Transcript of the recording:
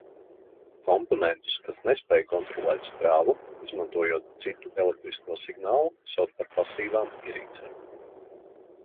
"Komponentus, kas nespēj kontrolēt strāvu, izmantojot citu elektrisko signālu, sauc par "pasīvām" ierīcēm."